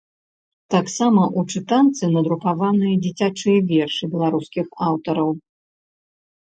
Таксама ў чытанцы надрукаваныя дзіцячыя вершы беларускіх аўтараў!